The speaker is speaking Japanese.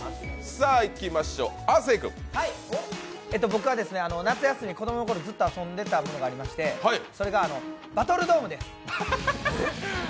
僕は夏休み、子供のころずっと遊んでいたものがありましてそれがバトルドームです。